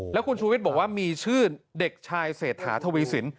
แล้วคุณชูวิทย์บอกว่ามีชื่อเด็กชายเศรษฐาทวีสิน